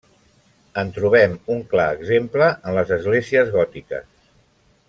En trobem un clar exemple en les esglésies gòtiques.